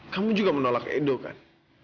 kamu juga menolak edo kan